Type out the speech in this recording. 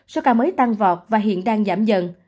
số ca mới tăng vọt và hiện đang giảm dần